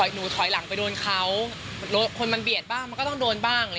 หนูถอยหลังไปโดนเขาคนมันเบียดบ้างมันก็ต้องโดนบ้าง